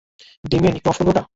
Damien, একটু off করবে ওটা?